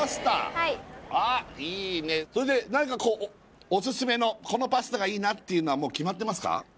はいそれで何かこうオススメのこのパスタがいいなっていうのはもう決まってますか？